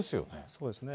そうですね。